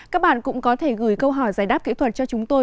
các bạn cũng có thể gửi câu hỏi giải đáp kỹ thuật cho chúng tôi